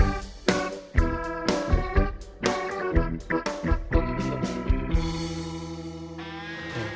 gak ada yang pake